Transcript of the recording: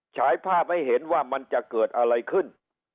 ฉายภาพให้เห็นว่ามันจะเกิดอะไรขึ้น